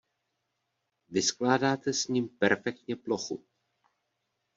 Vyskládáte s ním perfektně plochu.